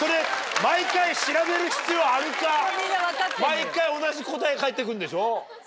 毎回同じ答えが返ってくるんでしょ？